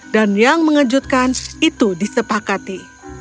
dan yang mengejutkan itu disepakati